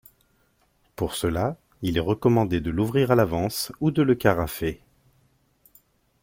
Pour cela, il est recommandé de l'ouvrir à l'avance ou de le carafer.